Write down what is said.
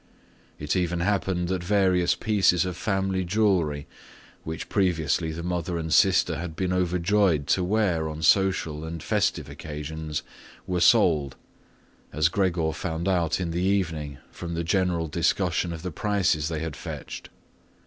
It even happened that various pieces of family jewellery, which previously the mother and sister had been overjoyed to wear on social and festive occasions, were sold, as Gregor found out in the evening from the general discussion of the prices they had fetched.